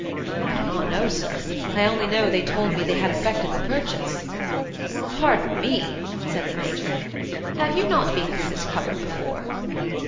"I do not know, sir. I only know they told me they had effected the purchase." "Pardon me," said the Major. "Have you not been through this cupboard before?"